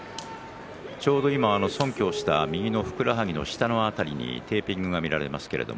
そんきょをした右のふくらはぎの下の辺りにテーピングが見られます。